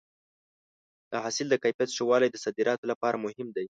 د حاصل د کیفیت ښه والی د صادراتو لپاره مهم دی.